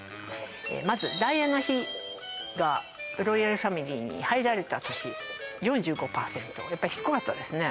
まずダイアナ妃がロイヤルファミリーに入られた年４５％やっぱり低かったですね